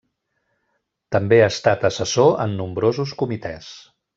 També ha estat assessor en nombrosos comitès.